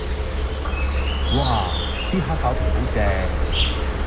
嘩 ！D 蝦餃皮好正